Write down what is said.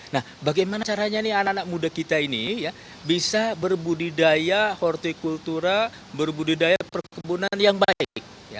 nah bagaimana caranya nih anak anak muda kita ini bisa berbudidaya hortikultura berbudidaya perkebunan yang baik